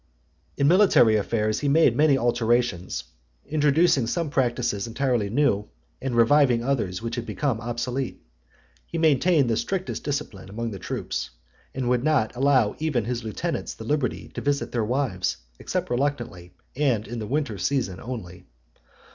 XXIV. In military affairs he made many alterations, introducing some practices entirely new, and reviving others, which had become obsolete. He maintained the strictest discipline among the troops; and would not allow even his lieutenants the liberty to visit their wives, except reluctantly, and in the winter season only.